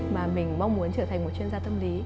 mà mình mong muốn trở thành một chuyên gia tâm lý